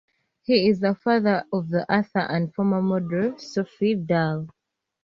He is the father of the author and former model, Sophie Dahl.